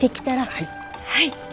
はい！